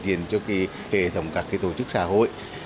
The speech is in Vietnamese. đại diện cho cái hệ thống các cái tổ chức xã hội